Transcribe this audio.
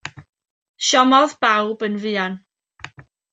Siomodd bawb yn fuan.